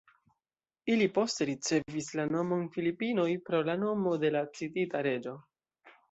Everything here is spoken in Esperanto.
Ili poste ricevis la nomon Filipinoj pro la nomo de la citita reĝo.